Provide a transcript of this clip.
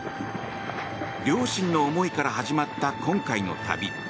両親の思いから始まった今回の旅。